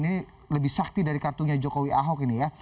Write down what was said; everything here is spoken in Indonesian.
ini lebih sakti dari kartunya jokowi ahok ini ya